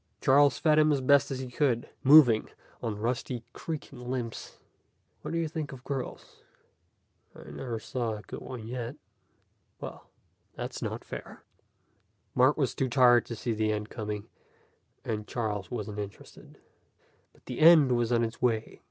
Charles fed him as best he could, moving on rusty, creaking limbs. "What do you think of girls?" "I never saw a good one yet." "Well, that's not fair." Mark was too tired to see the end coming, and Charles wasn't interested. But the end was on its way.